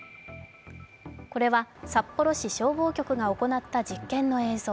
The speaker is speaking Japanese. これは札幌市消防局が行った実験の映像。